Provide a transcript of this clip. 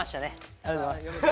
ありがとうございます。